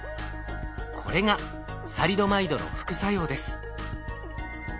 これがサリドマイドの副作用です。